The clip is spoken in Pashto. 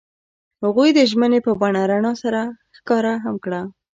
هغوی د ژمنې په بڼه رڼا سره ښکاره هم کړه.